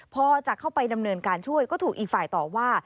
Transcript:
พอจะเข้าไปดำเนินการช่วยก็ถูกอีกฝ่ายต่อว่า